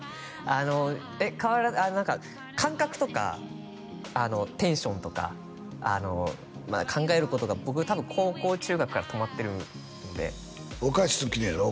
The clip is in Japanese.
あのえっ何か感覚とかあのテンションとかあの考えることが僕は多分高校中学から止まってるのでお菓子好きなんやろ？